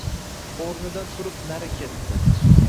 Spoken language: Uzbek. O‘rnidan turib nari ketdi